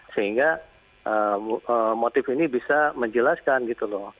sehingga motif ini bisa menjelaskan gitu loh